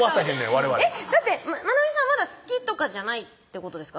われわれだって愛海さんまだ好きとかじゃないってことですか？